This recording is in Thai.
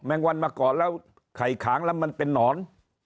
งวันมาก่อนแล้วไข่ขางแล้วมันเป็นนอน